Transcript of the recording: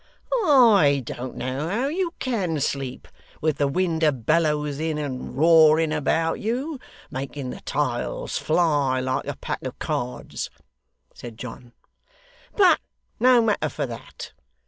'I don't know how you CAN sleep, with the wind a bellowsing and roaring about you, making the tiles fly like a pack of cards,' said John; 'but no matter for that.